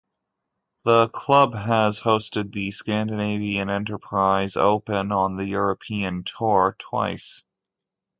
The club has hosted the Scandinavian Enterprise Open on the European Tour twice.